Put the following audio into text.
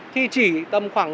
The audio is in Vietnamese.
thì chỉ tầm khoảng